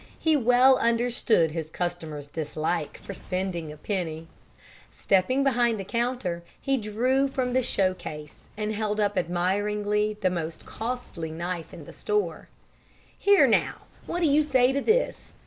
He well understood his customer's dislike for spending a penny. Stepping behind the counter, he drew from the show case and held up admiringly the most costly knife in the store. "Here, now, what do you say to this?